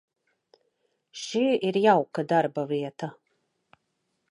Šī ir jauka darbavieta.